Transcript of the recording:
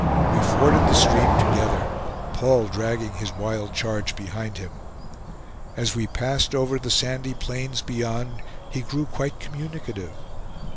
We forded the stream together, Paul dragging his wild charge behind him. As we passed over the sandy plains beyond, he grew quite communicative.